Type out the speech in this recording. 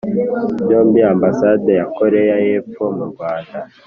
Byombi Ambasade ya Koreya y’Epfo mu Rwanda